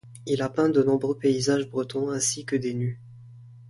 Il a peint de nombreux paysages bretons ainsi que des nus.